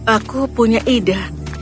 aku punya ide